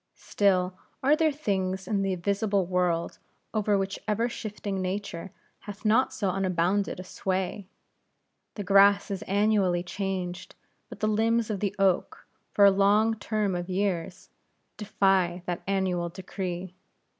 Still, are there things in the visible world, over which ever shifting Nature hath not so unbounded a sway. The grass is annually changed; but the limbs of the oak, for a long term of years, defy that annual decree.